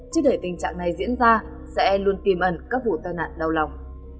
chứ để tình trạng này diễn ra sẽ luôn tìm ẩn các vụ tai nạn đau lòng